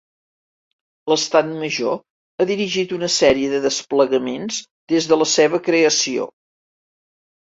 L'Estat Major ha dirigit una sèrie de desplegaments des de la seva creació.